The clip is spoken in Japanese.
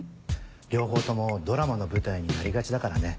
両方ともドラマの舞台になりがちだからね。